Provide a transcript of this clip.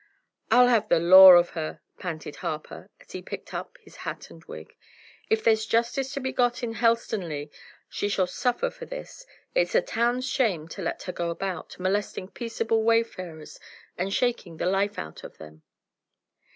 "I'll have the law of her!" panted Harper, as he picked up his hat and wig. "If there's justice to be got in Helstonleigh, she shall suffer for this! It's a town's shame to let her go about, molesting peaceable wayfarers, and shaking the life out of them!"